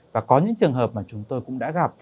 và có những trường hợp mà chúng tôi cũng đã gặp